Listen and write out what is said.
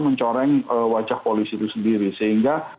mencoreng wajah polisi itu sendiri sehingga